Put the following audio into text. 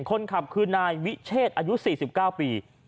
คนขับคือนายวิเชษอายุ๔๙ปี